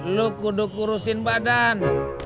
lo kuduk urusin badan